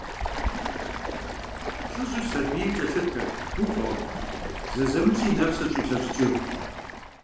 ЛӀыжьыр сабийм кӀэлъыплъырт гуфӀэу, зэзэмызи и нэпсыр щӀилъэщӀыкӀыу.